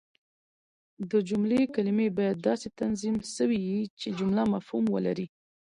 د جملې کلیمې باید داسي تنظیم سوي يي، چي جمله مفهوم ولري.